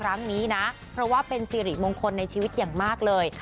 ครั้งนี้นะเพราะว่าเป็นสิริมงคลในชีวิตอย่างมากเลย